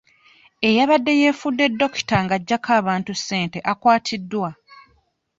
Eyabadde yeefudde dokita ng'aggyako abantu ssente akwatiddwa.